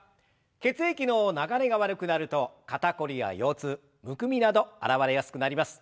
血液の流れが悪くなると肩凝りや腰痛むくみなど現れやすくなります。